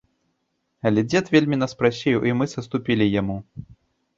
Але дзед вельмі нас прасіў, і мы саступілі яму.